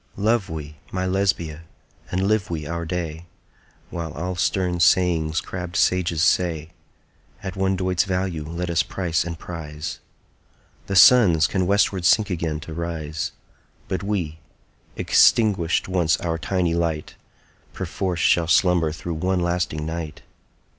Love we (my Lesbia!) and live we our day, While all stern sayings crabbed sages say, At one doit's value let us price and prize! The Suns can westward sink again to rise But we, extinguished once our tiny light, 5 Perforce shall slumber through one lasting night!